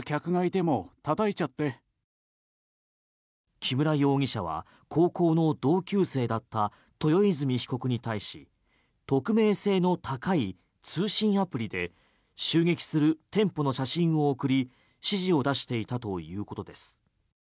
木村容疑者は高校の同級生だった豊泉被告に対し匿名性の高い通信アプリで襲撃する店舗の写真を送り指示を出していたということです。